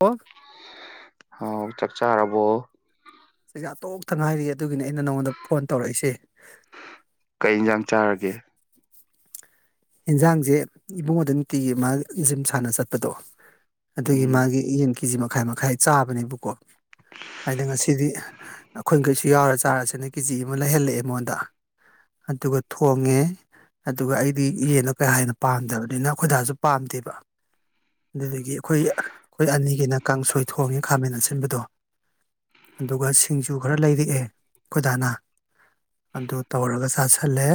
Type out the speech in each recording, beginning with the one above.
ꯑꯣ ꯑꯣ ꯆꯥꯛ ꯆꯥꯔꯕꯣ ꯆꯖꯥꯛ ꯇꯣꯛꯇ ꯉꯥꯏꯔꯤ ꯑꯗꯨꯒꯤꯅꯤ ꯑꯩꯅ ꯅꯉꯣꯟꯗ ꯐꯣꯟ ꯇꯧꯔꯛꯏꯁꯦ ꯀꯩ ꯌꯦꯟꯁꯥꯡ ꯆꯥꯔꯒꯦ ꯌꯦꯟꯁꯥꯡꯁꯦ ꯏꯕꯨꯡꯉꯣꯗ ꯅꯨꯡꯇꯤꯒꯤ ꯃꯥ ꯖꯤꯝ ꯁꯥꯟꯅ ꯆꯠꯄꯗꯣ ꯑꯗꯨꯒꯤ ꯎꯝ ꯃꯥꯒꯤ ꯌꯦꯟ ꯀꯦꯖꯤ ꯃꯈ ꯃꯈꯥꯏ ꯃꯈꯥꯏ ꯆꯥꯕꯅꯦꯕꯀꯣ ꯍꯥꯏꯗꯤ ꯉꯁꯤꯗꯤ ꯑꯩꯈꯣꯏꯈꯩꯁꯨ ꯌꯥꯎꯔ ꯆꯥꯔꯁꯤꯅ ꯀꯦꯖꯤ ꯑꯃ ꯂꯩꯍꯜꯂꯛꯑꯦ ꯑꯩ ꯃꯉꯣꯟꯗ ꯑꯗꯨꯒ ꯊꯣꯡꯉꯦ ꯑꯗꯨꯒ ꯗꯤ ꯌꯦꯟꯅꯣ ꯀꯩ ꯍꯥꯏꯦꯟꯅ ꯄꯥꯝꯗꯕꯅꯤꯅ ꯑꯈꯣꯏꯗꯥꯁꯨ ꯄꯥꯝꯗꯦꯕ ꯑꯗꯨꯗꯒꯤ ꯑꯩꯈꯣꯏ ꯑꯩꯈꯣꯏ ꯑꯅꯤꯒꯤꯅ ꯀꯥꯡꯁꯣꯏ ꯊꯣꯡꯉꯦ ꯈꯥꯃꯦꯟ ꯑꯁꯤꯟꯕꯗꯣ ꯑꯗꯨꯒ ꯁꯤꯡꯖꯨ ꯈꯔ ꯂꯩꯔꯛꯑꯦ ꯈꯣꯏꯗꯥꯅ ꯑꯗꯨ ꯇꯧꯔꯒ ꯆꯥꯁꯜꯂꯦ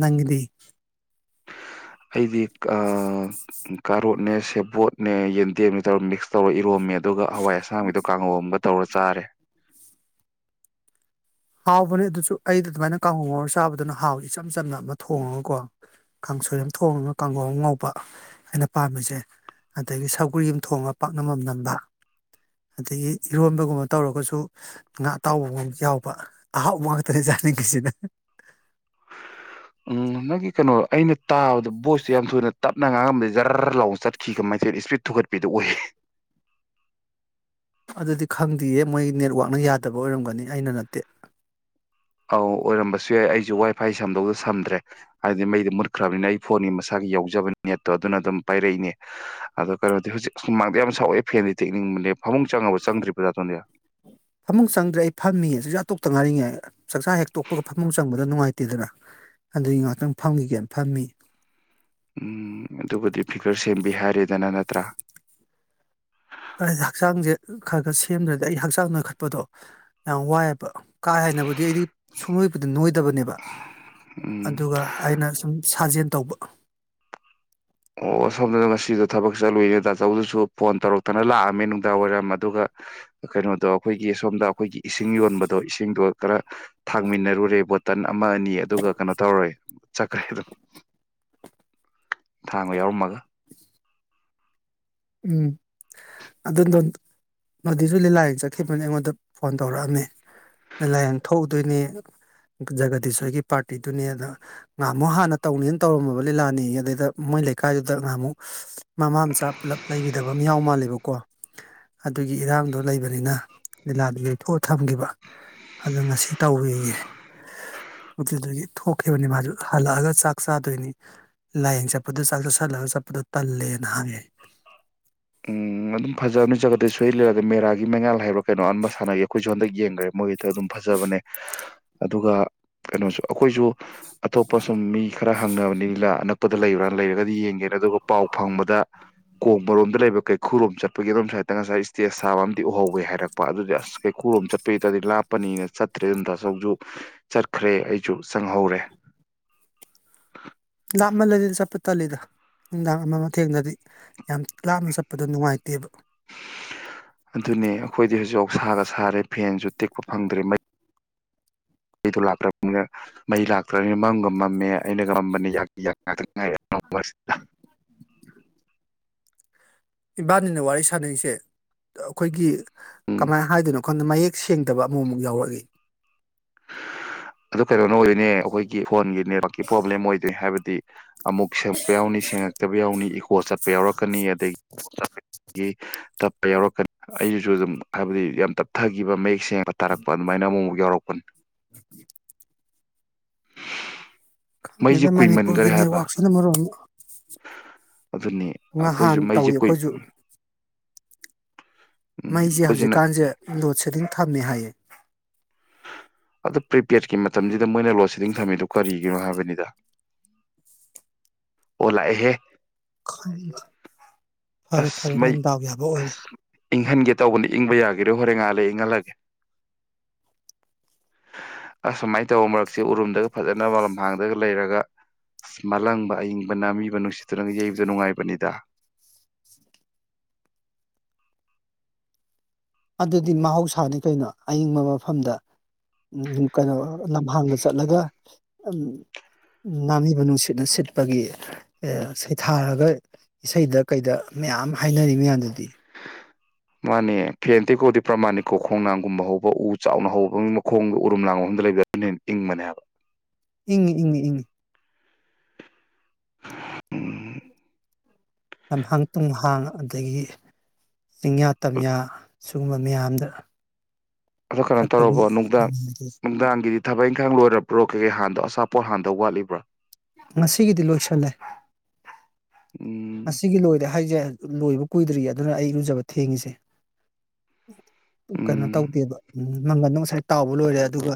ꯅꯪꯒꯤꯗꯤ [inaudible] ꯑꯩꯗꯤ ꯀꯥꯔꯣꯠꯅꯦ ꯁꯦꯕꯣꯠꯅꯦ ꯌꯦꯟꯗꯦꯝꯅꯦ ꯇꯧꯔ ꯃꯤꯛꯁ ꯇꯧꯔ ꯏꯔꯣꯝꯃꯦꯗ ꯑꯗꯨꯒ ꯍꯋꯥꯏ ꯑꯁꯥꯡꯕꯤꯗꯣ ꯀꯥꯡꯍꯧ ꯇꯧꯔ ꯆꯥꯔꯦ ꯍꯥꯎꯕꯅꯦ ꯑꯗꯨꯁꯨ ꯑꯩꯗ ꯑꯗꯨꯃꯥꯏꯅ ꯀꯥꯡꯉꯧ ꯉꯧꯔ ꯆꯥꯕꯗꯨꯅ ꯍꯥꯎ ꯏꯆꯝ ꯆꯝꯅ ꯑꯃ ꯊꯣꯡꯉꯒꯀꯣ ꯀꯥꯡꯁꯣꯏ ꯑꯃ ꯊꯣꯡꯉꯒ ꯀꯥꯡꯍꯧ ꯑꯃ ꯉꯧꯕ ꯑꯩꯅ ꯄꯥꯝꯃꯤꯁꯦ ꯑꯗꯒꯤ ꯁꯧꯒ꯭ꯔꯤ ꯑꯃ ꯊꯣꯡꯉꯒ ꯄꯥꯛꯅꯃꯝ ꯅꯝꯕ ꯑꯗꯒꯤ ꯏꯔꯣꯟꯕꯒꯨꯝꯕ ꯇꯧꯔꯒꯁꯨ ꯉꯥ ꯑꯇꯥꯎꯕꯒꯨꯝꯕ ꯌꯥꯎꯕ ꯑꯍꯥꯎꯕ ꯉꯥꯛ ꯇꯅꯦ ꯆꯥꯅꯤꯡ ꯉꯤꯁꯦ ꯁꯤꯟ ꯎꯝ ꯅꯪꯒꯤ ꯀꯩꯅꯣ ꯑꯩꯅ ꯇꯥꯕꯗ ꯕꯣꯏꯁꯦ ꯌꯥꯝ ꯊꯨꯅ ꯇꯞꯅ ꯉꯥꯡꯉꯝꯕꯗ ꯖꯔꯔ ꯂꯥꯎꯅ ꯆꯠꯈꯤꯀꯃꯥꯏ ꯇꯧ ꯋꯤꯅꯣ ꯏꯁꯄꯤꯠ ꯊꯨꯒꯠꯄꯤꯗꯨ ꯑꯣꯏꯌꯦ ꯑꯗꯨꯗꯤ ꯈꯪꯗꯦꯌꯦ ꯃꯣꯏ ꯅꯦꯠꯋꯥꯛꯅ ꯌꯥꯗꯕ ꯑꯣꯏꯔꯝꯒꯅꯤ ꯑꯩꯅ ꯅꯠꯇꯦ ꯑꯧ ꯑꯣꯏꯔꯝꯕꯁꯨ ꯌꯥꯏ ꯑꯩꯁꯨ ꯋꯥꯏ ꯐꯥꯏ ꯁꯝꯗꯧꯗ ꯁꯝꯗ꯭ꯔꯦ ꯍꯥꯏꯕꯗꯤ ꯃꯩꯗꯤ ꯃꯨꯠꯈ꯭ꯔꯕꯅꯤꯅ ꯑꯩ ꯐꯣꯟꯒꯤ ꯃꯁꯥꯒꯤ ꯌꯥꯎꯖꯕ ꯅꯦꯠꯇꯣ ꯑꯗꯨꯅ ꯑꯗꯨꯝ ꯄꯥꯏꯔꯛꯏꯅꯦ ꯑꯗꯣ ꯀꯩꯅꯣꯗꯤ ꯍꯧꯖꯤꯛ ꯍꯨꯃꯥꯡꯗ ꯌꯥꯝ ꯁꯥꯎꯑꯦ ꯐꯦꯟꯗꯤ ꯇꯦꯛꯅꯤꯡꯅꯦ ꯐꯃꯨꯡ ꯆꯪꯉꯕ ꯆꯪꯗ꯭ꯔꯤꯕ [unintelligible] ꯐꯃꯨꯡ ꯆꯪꯗ꯭ꯔꯦ ꯑꯩ ꯐꯝꯃꯤꯌꯦ ꯆꯛꯆꯥꯥ ꯇꯣꯛꯇ ꯉꯥꯏꯔꯤꯉꯩ ꯆꯥꯛꯆꯥ ꯍꯦꯛ ꯇꯣꯛꯄꯒ ꯐꯃꯨꯡ ꯆꯪꯕꯗ ꯅꯨꯡꯉꯥꯏꯇꯦꯗꯅ ꯑꯗꯨꯒꯤ ꯉꯥꯏꯍꯥꯛꯇꯪ ꯐꯝꯈꯤꯒꯦꯅ ꯐꯝꯃꯤ ꯎꯝ ꯑꯗꯨꯒꯕꯨꯗꯤ ꯐꯤꯒꯔ ꯁꯦꯝꯕꯤ ꯍꯥꯏꯔꯦꯗꯅ ꯅꯠꯇ꯭ꯔꯥ ꯍꯛꯆꯥꯡꯁꯦ ꯈꯔ ꯈꯔ ꯁꯦꯝꯗ꯭ꯔꯗꯤ ꯑꯩ ꯍꯛꯆꯥꯡ ꯅꯅꯥꯈꯠꯄꯗꯣ ꯌꯥꯝ ꯋꯥꯏꯑꯕ ꯀꯥ ꯍꯦꯟꯅꯕꯨꯗꯤ ꯑꯩꯗꯤ ꯁꯨꯡꯅꯣꯏꯕꯨꯗꯤ ꯅꯣꯏꯗꯕꯅꯦꯕ ꯎꯝ ꯑꯗꯨꯒ ꯑꯩꯅ ꯁꯨꯝ ꯁꯥꯖꯦꯜ ꯇꯧꯕ ꯑꯣ ꯑꯁꯣꯝꯗꯅ ꯉꯁꯤꯗꯣ ꯊꯕꯛ ꯆꯠꯂꯨꯏꯅꯦ ꯗꯥꯆꯧꯗꯨꯁꯨ ꯐꯣꯟ ꯇꯧꯔꯛꯇꯅ ꯂꯥꯛꯑꯝꯃꯦ ꯅꯨꯡꯗꯥꯡ ꯋꯥꯏꯔꯝ ꯑꯗꯨꯒ ꯀꯩꯅꯣꯗꯣ ꯑꯩꯈꯣꯏꯒꯤ ꯁꯣꯝꯗ ꯑꯩꯈꯣꯏꯒꯤ ꯏꯁꯤꯡ ꯌꯣꯟꯕꯗꯣ ꯏꯁꯤꯡꯗꯣ ꯈꯔ ꯊꯥꯡꯃꯤꯟꯅꯔꯨꯔꯦ ꯕꯣꯇꯜ ꯑꯃ ꯑꯅꯤ ꯑꯗꯨꯒ ꯀꯩꯅꯣ ꯇꯧꯔꯦ꯫ ꯆꯥꯛꯀꯦꯗ ꯊꯥꯡꯕ ꯌꯥꯎꯔꯝꯃꯒ ꯎꯝ ꯑꯗꯨꯗꯣ ꯃꯗꯨꯁꯨ ꯂꯤꯂꯥ ꯌꯦꯡ ꯆꯠꯈꯤꯕꯅꯤ ꯑꯩꯉꯣꯟꯗ ꯐꯣꯟ ꯇꯧꯔꯛꯑꯝꯃꯦ ꯂꯤꯂꯥ ꯌꯦꯡ ꯊꯣꯛꯎꯗꯣꯏꯅꯦ ꯖꯒꯗꯤꯁꯣꯏꯒꯤ ꯄꯥꯔꯇꯤꯗꯨꯅꯤ ꯑꯗ ꯉꯍꯥꯃꯨꯛ ꯍꯥꯟꯅ ꯇꯧꯅꯤꯅ ꯇꯧꯔꯝꯃꯕ ꯂꯤꯂꯥꯅꯤ ꯑꯗꯨꯗꯩꯗ ꯃꯣꯏ ꯂꯩꯀꯥꯏꯗꯨꯗ ꯉꯍꯥꯃꯨꯛ ꯃꯃꯥ ꯃꯆꯥ ꯄꯨꯂꯞ ꯐꯇꯕ ꯑꯃ ꯌꯥꯎ ꯃꯥꯜꯂꯦꯕꯀꯣ ꯑꯗꯨꯒꯤ ꯏꯔꯥꯡꯗꯣ ꯂꯩꯕꯅꯤꯅ ꯂꯤꯂꯥꯗꯨ ꯌꯊꯣꯛꯑ ꯊꯝꯈꯤꯕ ꯑꯗꯨ ꯉꯁꯤ ꯇꯧꯋꯌꯦ ꯑꯗꯨꯗꯒꯤ ꯊꯣꯛꯈꯤꯕꯅꯤ ꯃꯥꯁꯨ ꯍꯜꯂꯛꯑꯒ ꯆꯥꯛ ꯆꯥꯗꯣꯏꯅꯤ ꯂꯥꯏꯌꯦꯡ ꯆꯠꯄꯗ ꯆꯥꯛ ꯆꯥꯁꯜꯂꯒ ꯆꯠꯄꯗꯣ ꯇꯜꯂꯦꯅ ꯍꯥꯡꯉꯦ ꯎꯝ ꯑꯗꯨꯝ ꯐꯖꯕꯅꯤ ꯖꯒꯗꯤꯁ ꯁꯣꯏ ꯂꯩꯔꯗꯤ ꯃꯦꯔꯥꯒꯤ ꯒꯤ ꯃꯩꯉꯥ ꯍꯥꯏꯕ꯭ꯔꯥ ꯀꯩꯅꯣ ꯑꯥꯟꯕ ꯁꯥꯟꯅꯒꯤ ꯑꯩꯈꯣꯏꯁꯨ ꯍꯟꯗꯛ ꯌꯦꯡꯈ꯭ꯔꯦ ꯃꯣꯏꯒꯤꯗ ꯑꯗꯨꯝ ꯐꯖꯕꯅꯦ ꯑꯗꯨꯒ ꯀꯩꯅꯣꯁꯨ ꯑꯩꯈꯣꯏꯁꯨ ꯑꯇꯣꯞꯄ ꯁꯨꯝ ꯃꯤ ꯈꯔ ꯍꯪꯅꯕꯅꯤ ꯂꯤꯂꯥꯅ ꯗ ꯂꯩꯕ꯭ꯔꯥꯅ ꯂꯩꯔꯒꯗꯤ ꯌꯦꯡꯒꯦꯅ ꯑꯗꯨꯒ ꯄꯥꯎ ꯐꯪꯕꯗ ꯀꯣꯡꯕꯔꯣꯝ ꯑꯝ ꯂꯩꯕ ꯀꯩꯈꯨꯔꯣꯝ ꯆꯠꯄꯒꯤ ꯑꯗꯨꯣꯝ ꯁꯥꯏꯠꯇ ꯉꯁꯥꯏ ꯏꯁꯇꯦꯖ ꯁꯥꯕ ꯑꯝ ꯎꯍꯧꯒꯦ ꯍꯥꯏꯔꯛꯄ ꯑꯗꯨꯗꯤ ꯑꯁ ꯀꯩꯈꯨꯔꯣꯝ ꯆꯠꯄꯒꯤꯗꯗꯤ ꯂꯥꯞꯄꯅꯤꯅ ꯆꯠꯇ꯭ꯔꯦ ꯑꯗꯨꯝ ꯇꯁꯧꯁꯨ ꯆꯠꯈ꯭ꯔꯦ ꯑꯩꯁꯨ ꯆꯪꯍꯧꯔꯦ ꯂꯥꯞꯃꯜꯂꯗꯤꯗꯤ ꯆꯠꯄ ꯇꯠꯂꯤꯗ ꯅꯨꯡꯗꯥꯡ ꯑꯃ ꯃꯊꯦꯡꯗꯗꯤ ꯌꯥꯝ ꯂꯥꯞꯅ ꯆꯠꯄꯗꯣ ꯅꯨꯡꯉꯥꯏꯇꯦ ꯑꯗꯨꯅꯤ ꯑꯩꯈꯣꯏꯗꯤ ꯍꯧꯖꯤꯛ ꯁꯥꯒ ꯁꯥꯔꯦ ꯐꯦꯟꯁꯨ ꯇꯦꯛꯄ ꯐꯪꯗ꯭ꯔꯦ ꯃꯩ ꯃꯩꯗꯣ ꯂꯥꯛꯇ꯭ꯔꯕꯅꯤꯅ ꯃꯩ ꯂꯥꯛꯇ꯭ꯔꯕꯅꯤꯅ ꯃꯝꯒ ꯃꯝꯃꯦ ꯑꯩꯅꯒ ꯃꯝꯕꯅꯤ ꯉꯉꯥꯏ ꯏꯕꯥꯅꯤꯅ ꯋꯥꯔꯤ ꯁꯥꯟꯅꯁꯦ ꯑꯩꯈꯣꯏꯒꯤ ꯎꯝ ꯀꯃꯥꯏꯅ ꯍꯥꯏꯗꯣꯏꯅꯣ ꯑꯩꯪꯗ ꯃꯌꯦꯛ ꯁꯦꯡꯗꯕ ꯑꯃꯃꯨꯛ ꯌꯥꯎꯔꯛꯏ ꯑꯗꯨ ꯀꯣ ꯅ ꯅꯦ ꯑꯩꯈꯣꯏꯒꯤ ꯐꯣꯟꯒꯤ ꯅꯦꯠꯋꯔꯥꯛꯀꯤ ꯄ꯭ꯔꯣꯕ꯭ꯂꯦꯝ ꯑꯣꯏꯗ꯭ꯔꯦ ꯍꯥꯏꯕꯗꯤ ꯑꯃꯨꯛ ꯁꯦꯡꯉꯛꯄ ꯌꯥꯎꯅꯤ ꯁꯦꯡꯉꯛꯇꯕ ꯌꯥꯎꯅꯤ ꯀꯣꯆ ꯆꯠꯄ ꯌꯥꯎꯔꯛꯀꯅꯤ ꯑ [unintelligible] ꯒꯤ ꯇꯞꯄ ꯌꯥꯎꯔꯛꯀꯅꯤ ꯑꯩꯁꯤꯁꯨ ꯑꯗꯨꯝ ꯍꯥꯏꯕꯗꯤ ꯌꯥꯝ ꯇꯞꯊꯈꯤꯕ ꯃꯌꯦꯛ ꯁꯦꯡꯉꯕ ꯇꯥꯔꯛꯄ ꯑꯗꯨꯃꯥꯏꯅ ꯑꯃꯨꯛꯃꯨꯛ ꯌꯥꯎꯔꯛꯄꯅꯤ ꯃꯩꯁꯦ ꯗ ꯀꯨꯏꯃꯟꯈ꯭ꯔꯦ ꯃꯅꯤꯄꯨꯔꯒꯤ ꯍꯥꯏꯕ ꯅꯦꯠꯋꯥꯛꯛꯁꯤꯅ ꯃꯔꯝ ꯑꯗꯨꯅꯤ ꯉꯍꯥꯟ ꯑꯩꯈꯣꯏꯁꯨ ꯃꯩꯁꯦ ꯇꯧꯋꯤ ꯀꯨꯏ ꯑꯩꯈꯣꯏꯁꯨ ꯎꯝ ꯃꯩꯁꯦ ꯑꯩꯈꯣꯏꯁꯤꯅ ꯍꯧꯖꯤꯛꯀꯥꯟꯁꯦ ꯂꯣꯠ ꯁꯦꯗꯤꯡ ꯊꯝꯅꯤ ꯍꯥꯏꯌꯦ ꯑꯗꯨ ꯄ꯭ꯔꯤꯄꯦꯗꯀꯤ ꯃꯇꯝꯁꯤꯗ ꯃꯣꯏꯅ ꯂꯣꯟ ꯁꯦꯗꯤꯡ ꯊꯝꯃꯤꯗꯨ ꯀꯔꯤꯒꯤꯅꯣ ꯍꯥꯏꯕꯅꯤꯗ ꯑꯣ ꯂꯥꯛꯑꯦꯍꯦ ꯈꯔ ꯐꯔꯦ ꯑꯁ ꯐꯔꯦ ꯃꯩ ꯅꯪ ꯗꯥꯎ ꯌꯥꯕ ꯑꯣꯏꯔꯦ ꯏꯪꯍꯟꯒꯦ ꯇꯧꯕꯅꯤ ꯏꯪꯕ ꯌꯥꯈꯤꯔꯦ ꯍꯣꯔꯦꯟ ꯉꯥꯜꯂꯦ ꯏꯪꯍꯜꯂꯒꯦ ꯑꯁꯃꯥꯏꯅ ꯇꯧꯕ ꯃꯔꯛꯁꯦ ꯎꯔꯨꯝꯗꯒ ꯐꯖꯅ ꯃꯔ ꯍꯥꯡꯗꯒ ꯂꯩꯔꯒ ꯑ ꯃꯥꯂꯪꯕ ꯑꯏꯪꯕ ꯃꯤꯕ ꯅꯨꯡꯁꯤꯠꯇꯨꯅꯒ ꯌꯩꯕꯗ ꯅꯨꯡꯉꯥꯏꯕꯅꯤꯗ ꯑꯗꯨꯗꯤ ꯃꯍꯧꯁꯥꯅꯤ ꯀꯩꯅꯣ ꯑꯏꯤꯡꯕ ꯃꯐꯝꯗ ꯀꯩꯅꯣ ꯂꯝꯍꯥꯡꯗ ꯆꯠꯂꯒ ꯅꯥꯝꯃꯤꯕ ꯅꯨꯡꯁꯤꯠꯅ ꯁꯤꯠꯄꯒꯤ ꯁꯩꯊꯥꯔꯒ ꯏꯁꯩꯗ ꯀꯩꯗ ꯃꯌꯥꯝ ꯍꯥꯏꯅꯔꯤ ꯃꯌꯥꯝꯗꯨꯗꯤ ꯃꯥꯅꯦ ꯐꯦꯟ ꯇꯦꯀꯣꯗꯤ ꯄ꯭ꯔꯃꯥꯅꯤꯀꯣ ꯈꯣꯡꯅꯥꯡꯒꯨꯝꯕ ꯍꯧꯕ ꯎ ꯆꯥꯎꯅ ꯍꯧꯕꯒꯤ ꯃꯈꯣꯡꯗ ꯎꯔꯨꯝ ꯂꯥꯡ ꯑꯨꯝꯗ ꯂꯩꯕꯅ ꯍ ꯏꯪꯕꯅꯦꯕ ꯏꯪ ꯏꯪ ꯏꯪ ꯎꯝ ꯂꯝꯍꯥꯡ ꯇꯨꯝꯍꯥꯡ ꯑꯗꯒꯤ ꯆꯤꯡꯌꯥ ꯇꯝꯌꯥ ꯁꯤꯒꯨꯝꯕ ꯃꯌꯥꯝꯗ ꯑꯣ ꯀꯩꯅꯣ ꯇꯧꯔꯕꯣ ꯆꯠꯄꯒꯤ ꯅꯨꯡꯗꯥꯡ ꯅꯨꯡꯗꯥꯡꯒꯤꯗꯤ ꯊꯕꯛ ꯏꯪꯈꯥꯡ ꯂꯣꯏꯔꯔꯣꯛꯀꯦ ꯍꯥꯟꯗꯣ ꯑꯁꯥ ꯄꯣꯔ ꯍꯥꯟꯗꯧ ꯋꯥꯠꯂꯤꯕ꯭ꯔꯥ ꯉꯁꯤꯒꯤꯗꯤ ꯂꯣꯏꯁꯜꯂꯦ ꯑ ꯎꯝ ꯀꯤꯂꯣ ꯑꯣꯏꯗ ꯍꯥꯏꯁꯦ ꯂꯣꯏꯕ ꯀꯨꯏꯗ꯭ꯔꯤ ꯑꯗꯨꯅ ꯑꯩ ꯂꯨꯖꯕ ꯊꯦꯡꯉꯤꯁꯦ ꯀꯩꯅꯣ ꯎꯝ ꯇꯧꯗꯦꯕ ꯎꯝ ꯃꯪꯒꯜꯗꯣ ꯉꯁꯥꯏ ꯇꯥꯎꯕ ꯂꯣꯏꯔꯦ ꯑꯗꯨꯒ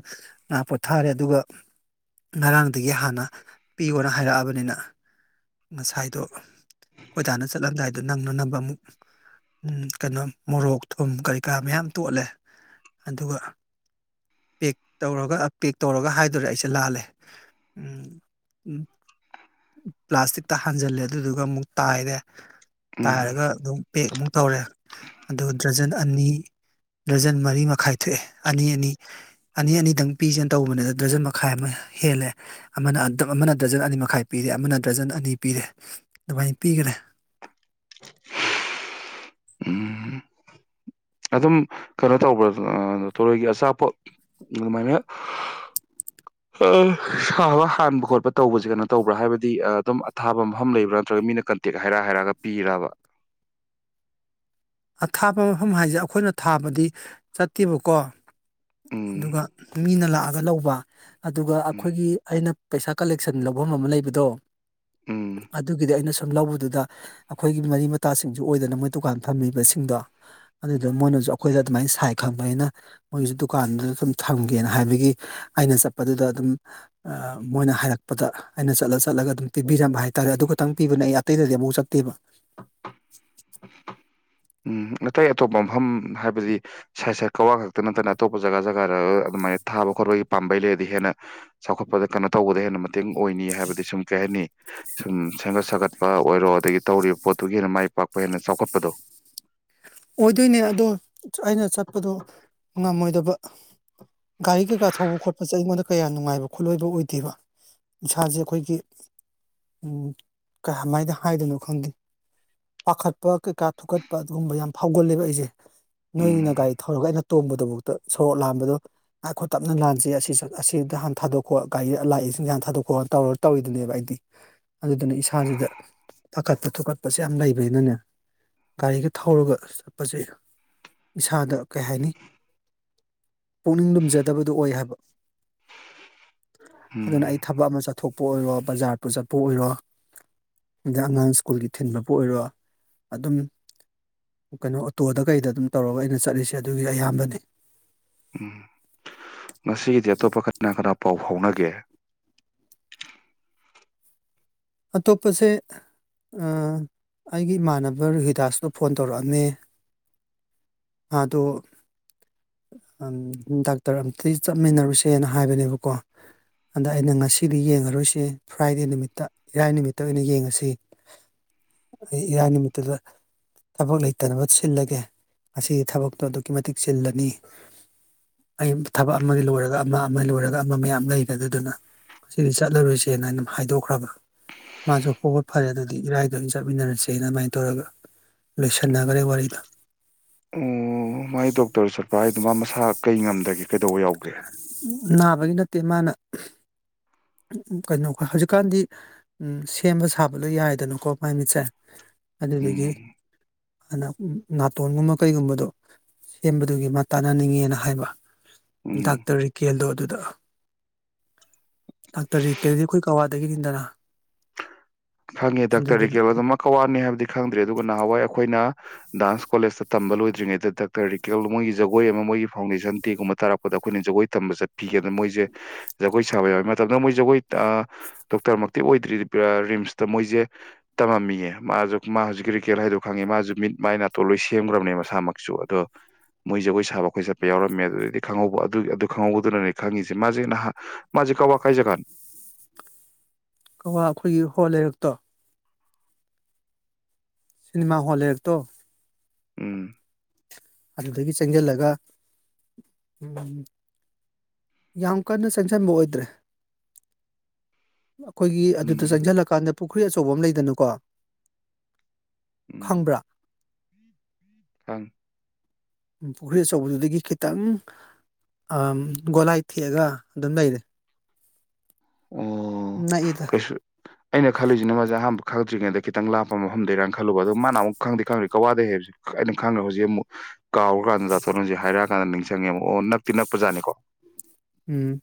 ꯉꯥꯏꯍꯥꯛ ꯄꯣꯊꯥꯔꯦ ꯑꯗꯨꯒ ꯉꯔꯥꯡꯗꯒꯤ ꯍꯥꯟꯅ ꯄꯤꯌꯣꯅ ꯍꯥꯏꯔꯛꯑꯕꯅꯤꯅ ꯉꯁꯥꯏꯗꯣ ꯈꯣꯏꯗꯥꯅ ꯆꯠꯂꯝꯗꯥꯏꯗ ꯅꯪꯅ ꯅꯅꯕ ꯑꯃꯨꯛ ꯀꯩꯅꯣ ꯃꯣꯔꯣꯛ ꯊꯨꯝ ꯀꯔꯤ ꯀꯥ ꯃꯌꯥꯝ ꯇꯣꯠꯂꯦ ꯑꯗꯨꯒ ꯄꯦꯛ ꯇꯧꯔꯒ ꯄꯦꯛ ꯇꯧꯔꯒ ꯍꯥꯏꯗꯣꯔꯦ ꯑꯩꯁꯦ ꯂꯥꯜꯂꯦ ꯄ꯭ꯂꯥꯁꯇꯤꯛꯇ ꯍꯥꯟꯖꯜꯂꯦ ꯑꯗꯨꯗꯨꯒ ꯑꯃꯨꯛ ꯇꯥꯏꯥꯏꯗ ꯎꯝ ꯇꯥꯏꯔꯒ ꯑꯗꯨꯝ ꯄꯦꯛ ꯑꯃꯨꯛ ꯇꯧꯔꯦ ꯑꯗꯨꯒ ꯗ꯭ꯔꯖꯟ ꯑꯅꯤ ꯗꯔꯖꯟ ꯃꯔꯤ ꯃꯈꯥꯏ ꯊꯣꯛꯑꯦ ꯑꯅꯤ ꯑꯅꯤ ꯑꯅꯤ ꯑꯅꯤꯗꯪ ꯄꯤꯁꯦꯅ ꯇꯧꯕꯅꯤꯅ ꯗꯔꯖꯟ ꯃꯈꯥꯏ ꯑꯃ ꯍꯦꯜꯂꯦ ꯑꯃꯅ ꯑꯃꯅ ꯗꯔꯖꯟ ꯑꯅꯤ ꯃꯈꯥꯏ ꯄꯤꯔꯦ ꯑꯃꯅ ꯗꯔꯖꯟ ꯑꯅꯤ ꯄꯤꯔꯦ ꯑꯗꯨꯃꯥꯏꯅ ꯄꯤꯒꯔꯦ [inaudible] ꯎꯝ ꯑꯗꯨꯝ ꯀꯩꯅꯣ ꯇꯧꯕ꯭ꯔꯥ ꯊꯣꯔꯣꯏꯒꯤ ꯑꯆꯥꯄꯣꯠ ꯑꯗꯨꯃꯥꯏꯅ ꯁꯥꯕ ꯍꯥꯟꯕ ꯈꯣꯠꯄ ꯇꯧꯕꯁꯦ ꯀꯩꯅꯣ ꯇꯧꯕ꯭ꯔꯥ ꯍꯥꯏꯕꯗꯤ ꯑꯗꯨꯝ ꯑꯊꯥꯕ ꯃꯐꯝ ꯂꯩꯕ꯭ꯔꯥ ꯅꯠꯇ꯭ꯔꯒ ꯃꯤꯅ ꯀꯟꯇꯦꯛ ꯍꯥꯏꯔ ꯍꯥꯏꯔꯒ ꯄꯤꯔꯕ ꯑꯊꯥꯞꯄ ꯃꯐꯝ ꯍꯥꯏꯁꯦ ꯑꯩꯈꯣꯏꯅ ꯊꯥꯕꯗꯤ ꯆꯠꯇꯦꯕꯀꯣ ꯎꯝ ꯑꯗꯨꯒ ꯃꯤꯅ ꯂꯥꯛꯑꯒ ꯂꯧꯕ ꯑꯗꯨꯒ ꯎꯝ ꯑꯩꯈꯣꯏꯒꯤ ꯑꯩꯅ ꯄꯩꯁꯥ ꯀꯂꯦꯛꯁꯟ ꯂꯧꯐꯝ ꯑꯃ ꯂꯩꯕꯗꯣ ꯎꯝ ꯑꯗꯨꯒꯤꯗꯤ ꯑꯩꯅꯁꯨ ꯁꯨꯝ ꯂꯧꯕꯗꯨꯗ ꯑꯩꯈꯣꯏꯒꯤ ꯃꯔꯤ ꯃꯇꯥꯁꯤꯡꯁꯨ ꯑꯣꯏꯗꯅ ꯃꯣꯏ ꯗꯨꯀꯥꯟ ꯐꯝꯃꯤꯕꯁꯤꯡꯗꯣ ꯑꯗꯨꯗ ꯃꯣꯏꯅꯁꯨ ꯑꯩꯈꯣꯏꯗ ꯑꯗꯨꯃꯥꯏꯅ ꯁꯥꯏ ꯈꯪꯕꯅꯤꯅ ꯃꯣꯏꯒꯤꯁꯨ ꯗꯨꯀꯥꯟꯗꯨꯗ ꯑꯗꯨꯝ ꯊꯝꯒꯦꯅ ꯍꯥꯏꯕꯒꯤ ꯑꯩꯅ ꯆꯠꯄꯗꯨꯗ ꯑꯗꯨꯝ ꯃꯣꯏꯅ ꯍꯥꯏꯔꯛꯄꯗ ꯑꯩꯅ ꯆꯠꯂ ꯆꯠꯂꯒ ꯑꯗꯨꯝ ꯄꯤꯕꯤꯔꯝꯕ ꯍꯥꯏ ꯇꯥꯔꯦ ꯑꯗꯨ ꯈꯛꯇꯪ ꯄꯤꯕꯅꯦ ꯑꯩ ꯑꯇꯩꯗꯗꯤ ꯑꯃꯧ ꯆꯠꯇꯦꯕ ꯎꯝ ꯑꯇꯩ ꯑꯇꯣꯞꯄ ꯃꯐꯝ ꯍꯥꯏꯕꯗꯤ ꯁꯥꯏꯠ ꯁꯥꯏꯠ ꯀꯛꯋꯥ ꯈꯛꯇ ꯅꯠꯇꯅ ꯑꯇꯣꯞꯄ ꯖꯒꯥ ꯖꯒꯥꯗ ꯑꯗꯨꯃꯥꯏꯅ ꯊꯥꯕ ꯈꯣꯠꯄꯒꯤ ꯄꯥꯝꯕꯩ ꯂꯩꯔꯗꯤ ꯍꯦꯟꯅ ꯆꯥꯎꯈꯠꯄꯗ ꯀꯩꯅꯣ ꯇꯧꯕꯗ ꯍꯦꯟꯅ ꯌꯥꯝꯅ ꯃꯇꯦꯡ ꯑꯣꯏꯅꯤ ꯍꯥꯏꯕꯗꯤ ꯁꯨꯝ ꯀꯩꯍꯥꯏꯅꯤ ꯁꯨꯝ ꯁꯦꯝꯒꯠ ꯁꯥꯒꯠꯄ ꯑꯣꯏꯔꯣ ꯑꯗꯒꯤ ꯇꯧꯔꯤꯕ ꯄꯣꯠꯇꯨꯒꯤ ꯍꯦꯟꯅ ꯃꯥꯏ ꯄꯥꯛꯄ ꯄ ꯍꯦꯟꯅ ꯆꯥꯎꯈꯠꯄꯗꯣ ꯑꯣꯏꯗꯣꯏꯅꯦ ꯑꯗꯣ ꯑꯩꯅ ꯆꯠꯄꯗꯣ ꯉꯝꯃꯣꯏꯗꯕ ꯒꯥꯔꯤ ꯀꯩꯀꯥ ꯊꯧꯕ ꯈꯣꯠꯄꯁꯦ ꯑꯩꯉꯣꯟꯗ ꯀꯌꯥ ꯅꯨꯡꯉꯥꯏꯕ ꯈꯣꯠꯂꯣꯏꯕ ꯑꯣꯏꯗꯦꯕ ꯏꯁꯥꯁꯦ ꯑꯩꯈꯣꯏꯒꯤ ꯀꯃꯥꯏꯅ ꯍꯥꯏꯗꯣꯏꯅꯣ ꯈꯪꯗꯦ ꯄꯥꯈꯠꯄ ꯀꯩꯀ ꯊꯨꯀꯠꯄ ꯑꯗꯨꯒꯨꯝꯕ ꯌꯥꯝ ꯐꯥꯎꯒꯜꯂꯦꯕ ꯑꯩꯁꯦ ꯎꯝ ꯅꯣꯏꯅꯤꯅ ꯒꯥꯔꯤ ꯊꯧꯔꯒ ꯑꯩꯅ ꯇꯣꯡꯕꯗꯨꯐꯥꯎꯗ ꯁꯣꯔꯣꯛ ꯂꯥꯟꯕꯗꯣ ꯉꯥꯏꯈꯣꯠ ꯇꯞꯅ ꯂꯥꯟꯁꯤ ꯑꯁꯤ ꯑꯁꯤꯗ ꯍꯥꯟꯅ ꯊꯥꯗꯣꯛꯈꯣ ꯒꯥꯔꯤ ꯂꯥꯛꯏꯁꯤꯡꯁꯥꯟ ꯊꯥꯗꯣꯛꯈꯣꯅ ꯇꯧꯔꯒ ꯇꯧꯔꯤꯗꯨꯅꯦꯕ ꯑꯩꯗꯤ ꯑꯗꯨꯗꯨꯅ ꯏꯁꯥꯁꯤꯗ ꯄꯥꯈꯠꯄ ꯊꯨꯀꯠꯄꯁꯦ ꯌꯥꯝ ꯂꯩꯕꯅꯤꯅꯅꯦ ꯒꯥꯔꯤꯒ ꯊꯧꯔꯒ ꯆꯠꯄꯁꯦ ꯏꯁꯥꯗ ꯀꯩ ꯍꯥꯏꯅꯤ ꯄꯨꯛꯅꯤꯡ ꯂꯨꯝꯖꯗꯕꯗꯨ ꯑꯣꯏ ꯍꯥꯏꯕ ꯑꯗꯨꯅ ꯑꯩ ꯎꯝ ꯊꯕꯛ ꯑꯃ ꯆꯠ ꯊꯣꯛꯄ ꯑꯣꯏꯔꯣ ꯕꯖꯥꯔꯄꯨ ꯆꯠꯄ ꯑꯣꯏꯔꯣ ꯑꯗꯩ ꯑꯉꯥꯡ ꯁ꯭ꯀꯨꯜꯒꯤ ꯊꯤꯟꯕꯕꯨ ꯑꯣꯏꯔꯣ ꯑꯗꯨꯝ ꯀꯩꯅꯣ ꯑꯣꯇꯣꯗ ꯀꯩꯗ ꯑꯗꯨꯝ ꯇꯧꯔꯒ ꯑꯩꯅ ꯆꯠꯂꯤꯁꯦ ꯑꯗꯨꯒꯤ ꯑꯌꯥꯝꯕꯅꯤ ꯎꯝ ꯉꯁꯤꯒꯤꯗꯤ ꯑꯇꯣꯞꯄ ꯀꯅ ꯀꯅ ꯄꯥꯎ ꯐꯥꯎꯅꯒꯦ ꯒꯦ ꯑꯇꯣꯞꯄꯁꯦ ꯑꯩꯒꯤ ꯏꯃꯥꯟꯅꯕ ꯔꯨꯍꯤꯗꯥꯁꯇꯣ ꯐꯣꯟ ꯇꯧꯔꯛꯑꯃꯦ ꯃꯥꯗꯣ ꯗꯥꯛꯇꯔ ꯑꯝꯇ ꯆꯠꯃꯤꯟꯅꯔꯨꯁꯦꯅ ꯍꯥꯏꯕꯅꯦꯕꯀꯣ ꯑꯗ ꯑꯩꯅ ꯉꯁꯤꯗꯤ ꯌꯦꯡꯉꯔꯣꯏꯁꯦ ꯐ꯭ꯔꯥꯏꯗꯦ ꯅꯨꯃꯤꯠꯇ ꯏꯔꯥꯏ ꯅꯨꯃꯤꯠꯇ ꯑꯣꯏꯅ ꯌꯦꯡꯉꯁꯤ ꯑꯩ ꯏꯔꯥꯏ ꯅꯨꯃꯤꯠꯇꯨꯗ ꯊꯕꯛ ꯂꯩꯇꯅꯕ ꯁꯤꯜꯂꯒꯦ ꯉꯗꯤ ꯊꯕꯛꯇꯣ ꯑꯗꯨꯛꯀꯤ ꯃꯇꯤꯛ ꯆꯤꯜꯂꯅꯤ ꯑꯩ ꯊꯕꯛ ꯑꯃꯒꯤ ꯂꯣꯏꯔꯒ ꯑꯃ ꯑꯃꯒꯤ ꯂꯣꯏꯔꯒ ꯑꯃ ꯃꯌꯥꯝ ꯂꯩꯒ꯭ꯔꯦ ꯑꯗꯨꯗꯨꯅ ꯉꯁꯤꯗꯤ ꯆꯠꯂꯔꯣꯏꯁꯦꯅ ꯑꯗꯨꯝ ꯍꯥꯏꯗꯣꯛꯈ꯭ꯔꯕ ꯃꯥꯁꯨ ꯍꯣꯏ ꯍꯣꯢ ꯐꯔꯦ ꯑꯗꯨꯗꯤ ꯏꯔꯥꯏꯗ ꯑꯣꯢꯅ ꯆꯠꯃꯤꯟꯅꯔꯁꯦꯅ ꯑꯗꯨꯃꯥꯏꯅ ꯇꯧꯔꯒ ꯂꯣꯏꯁꯟꯅꯒꯔꯦ ꯋꯥꯔꯤꯗꯨ ꯑꯣ ꯃꯥꯥꯏ ꯗꯣꯛꯇꯔ ꯆꯠꯄ ꯍꯥꯏꯗꯨ ꯃꯥ ꯃꯁꯥ ꯀꯩ ꯉꯝꯗꯒꯦ ꯀꯩꯗꯧꯕ ꯌꯥꯎꯒꯦ ꯅꯥꯕꯒꯤ ꯅꯠꯇꯦ ꯃꯥꯅ ꯀꯩꯅꯣ ꯍꯧꯖꯤꯛꯀꯥꯟꯗꯤ ꯁꯦꯝꯕ ꯁꯥꯕꯗꯣ ꯌꯥꯏꯗꯅꯀꯣ ꯃꯥꯏ ꯃꯤꯠꯁꯦ ꯑꯗꯨꯗꯒꯤ ꯎꯝ ꯑꯗꯨꯅ ꯅꯥꯇꯣꯟꯒꯨꯝꯕ ꯀꯩꯒꯨꯝꯕꯗꯣ ꯁꯦꯝꯕꯗꯨꯒꯤ ꯃꯥ ꯇꯥꯟꯅꯅꯤꯡꯉꯦꯅ ꯍꯥꯏꯕ ꯎꯝ ꯗꯥꯛꯇꯔ ꯔꯤꯀꯦꯜꯗꯣ ꯑꯗꯨꯗ ꯗꯥꯛꯇꯔ ꯔꯤꯀꯦꯜꯗꯤ ꯑꯩꯈꯣꯏ ꯀꯛꯋꯥꯗꯒꯤꯅꯤꯅꯗꯅ ꯈꯪꯉꯦ ꯗꯥꯛꯇꯔ ꯔꯤꯀꯦꯜ ꯑꯗꯨꯃ ꯀꯋꯥꯅꯤ ꯍꯥꯏꯕꯗꯤ ꯈꯪꯗ꯭ꯔꯦ ꯑꯗꯨꯒ ꯅꯍꯥꯟꯋꯥꯏ ꯑꯩꯈꯣꯏꯅ ꯗꯥꯟꯁ ꯀꯣꯂꯦꯁꯇ ꯇꯝꯕ ꯂꯣꯏꯗ꯭ꯔꯤꯉꯩꯗ ꯗꯥꯛꯇꯔ ꯔꯤꯀꯦꯜ ꯃꯣꯏꯒꯤ ꯖꯒꯣꯏ ꯑꯃ ꯃꯣꯏꯒꯤ ꯐꯥꯎꯟꯗꯦꯁꯟ ꯗꯦꯒꯨꯝꯕ ꯇꯥꯔꯛꯄꯗ ꯑꯩꯈꯣꯏꯅ ꯖꯒꯣꯏ ꯇꯝꯕ ꯆꯠꯄꯤꯒꯦꯅ ꯃꯣꯏꯁꯦ ꯖꯒꯣꯏ ꯁꯥꯕ ꯌꯥꯎꯏ ꯃꯇꯝꯗꯨꯗ ꯃꯣꯏ ꯖꯒꯣꯏ ꯗꯣꯛꯇꯔ ꯃꯛꯇꯤ ꯑꯣꯏꯗ꯭ꯔꯤ ꯔꯤꯝꯁ ꯃꯣꯏꯁꯦ ꯇꯝꯃꯝꯃꯤꯌꯦ ꯃꯥꯁꯨ ꯃꯥ ꯍꯧꯖꯤꯛ ꯔꯤꯀꯦꯜ ꯍꯥꯏꯗꯣ ꯈꯪꯏ ꯃꯥꯁꯨ ꯃꯤꯠ ꯃꯥꯏ ꯅꯥꯇꯣꯟ ꯂꯣꯏ ꯁꯦꯝꯈ꯭ꯔꯕꯅꯦ ꯃꯁꯥꯃꯛꯁꯨ ꯑꯗꯣ ꯃꯣꯏ ꯖꯥꯒꯣꯏ ꯁꯥꯕ ꯑꯩꯈꯣꯏ ꯆꯠꯄ ꯌꯥꯎꯔꯝꯃꯦ ꯑꯗꯨꯗꯒꯤ ꯈꯪꯍꯧꯕ ꯑꯗꯨ ꯑꯗꯨ ꯈꯪꯍꯧꯕꯗꯨꯅꯅꯦ ꯈꯪꯉꯤꯁꯦ ꯃꯥꯁꯦ ꯅꯍꯟ ꯃꯥꯁꯦ ꯀꯋꯥ ꯀꯥꯏ ꯖꯥꯒꯅꯣ ꯀꯋꯥ ꯑꯩꯈꯣꯏꯒꯤ ꯍꯣꯜ ꯂꯩꯔꯛꯇꯣ ꯁꯤꯅꯦꯃ ꯍꯣꯜ ꯂꯩꯔꯛꯇꯣ ꯎꯝ ꯑꯗꯨꯗꯒꯤ ꯆꯪꯁꯤꯜꯂꯒ ꯎꯝ ꯌꯥꯝ ꯀꯟꯅ ꯆꯪꯁꯤꯟꯕ ꯑꯣꯏꯗ꯭ꯔꯦ ꯑꯩꯈꯣꯏꯒꯤ ꯑꯗꯨꯗ ꯎꯝ ꯆꯪꯁꯤꯜꯂꯀꯥꯟꯗ ꯄꯨ ꯈ꯭ꯔꯤ ꯑꯆꯧꯕ ꯑꯃ ꯂꯩꯗꯅꯀꯣ ꯎꯝ ꯈꯪꯕ꯭ꯔꯥ ꯈꯪ ꯎꯝ, ꯄꯨꯈ꯭ꯔꯤ ꯑꯆꯧꯕꯗꯨꯗꯒꯤ ꯈꯤꯇꯪ ꯑꯝ ꯒꯣꯂꯥꯏ ꯊꯦꯛꯑꯒ ꯑꯗꯨꯝ ꯂꯩꯔꯦ ꯑꯣ ꯅꯛꯏꯗ ꯀꯩꯁꯨ ꯑꯩꯅ ꯈꯜꯂꯤꯁꯤꯅ ꯃꯥꯖꯦ ꯑꯍꯥꯟꯕ ꯈꯪꯗ꯭ꯔꯤꯉꯩꯗ ꯈꯤꯇꯪ ꯂꯥꯞꯄ ꯃꯐꯝꯗꯒꯤꯔꯥ ꯈꯜꯂꯨꯕ ꯑꯗꯨ ꯃꯥꯅ ꯑꯃꯨꯛ ꯈꯪꯗꯦ ꯈꯪꯗ꯭ꯔꯦ ꯀꯋꯥꯗꯩ ꯍꯥꯏꯕꯁꯤ [unintelligible] ꯍꯧꯖꯤꯛ ꯑꯃꯨꯛ ꯀꯥꯎꯔꯀꯥꯟꯗ [unintelligible] ꯍꯥꯏꯔꯛ ꯀꯥꯟꯗ ꯅꯤꯡꯁꯤꯡꯉꯦꯕ ꯑꯣ ꯅꯛꯇꯤ ꯅꯛꯄꯖꯥꯠꯅꯤꯀꯣ ꯎꯝ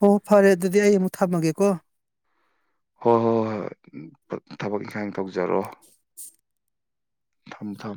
ꯍꯣ ꯐꯔꯦ ꯑꯗꯨꯗꯤ ꯑꯩ ꯑꯃꯨꯛ ꯊꯝꯃꯒꯦꯀꯣ ꯍꯣꯏ ꯍꯣꯏ ꯍꯣꯏ ꯍꯣꯏ ꯊꯕꯛ ꯏꯪꯈꯥꯡ ꯇꯧꯖꯔꯣ ꯊꯝ ꯊꯝ